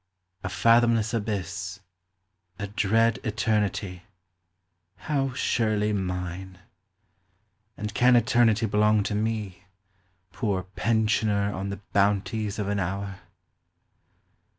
a fathomless abyss; A dread eternity ; how surely mine ! And can eternity belong to me, Poor pensioner on the bounties of an hour